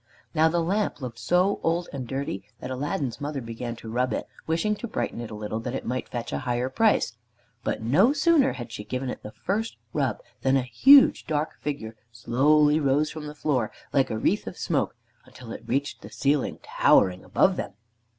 Now the lamp looked so old and dirty that Aladdin's mother began to rub it, wishing to brighten it a little that it might fetch a higher price. But no sooner had she given it the first rub than a huge dark figure slowly rose from the floor like a wreath of smoke until it reached the ceiling, towering above them.